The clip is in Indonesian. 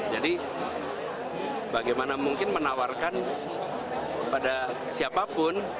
jadi bagaimana mungkin menawarkan pada siapapun